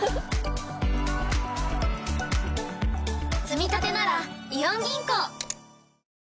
つみたてならイオン銀行！